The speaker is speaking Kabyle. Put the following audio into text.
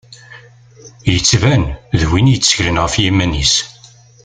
Yettban d win i tteklen ɣef yiman-is.